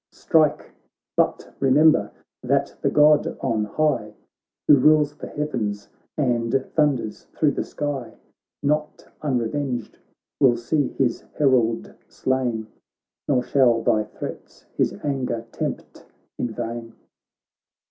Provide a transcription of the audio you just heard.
Strike ! but remember that the God on high Who rules the heavens, and thunders thro' the sky, Not unrevenged will see his herald slain, Nor shall thy threats his anger tempt in vain.'